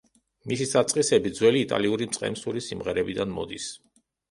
მისი საწყისები ძველი იტალიური მწყემსური სიმღერებიდან მოდის.